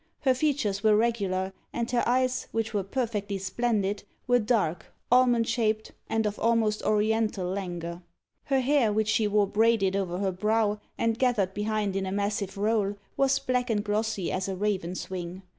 Her features were regular, and her eyes, which were perfectly splendid, were dark, almond shaped, and of almost Oriental languor. Her hair, which she wore braided over her brow and gathered behind in a massive roll, was black and glossy as a raven's wing.